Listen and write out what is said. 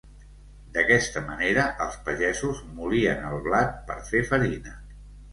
D'aquesta manera els pagesos molien el blat per fer farina.